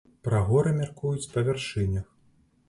Пра горы мяркуюць па вяршынях.